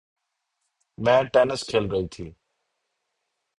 میں ٹینس کھیل رہی تھی